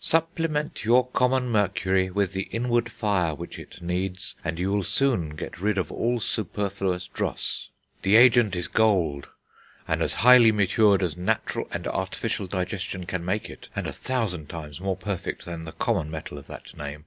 "Supplement your common mercury with the inward fire which it needs, and you will soon get rid of all superfluous dross." "The agent is gold, as highly matured as natural and artificial digestion can make it, and a thousand times more perfect than the common metal of that name.